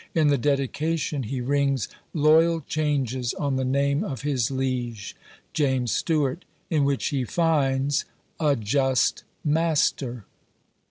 In the dedication he rings loyal changes on the name of his liege, James Stuart in which he finds _a just master!